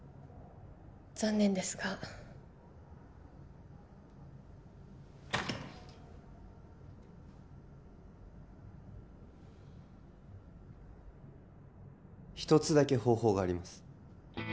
残念ですが一つだけ方法があります